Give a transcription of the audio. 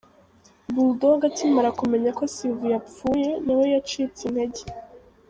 Bull Dogg akimara kumenya ko Sylvie yapfuye, nawe yacitse intege .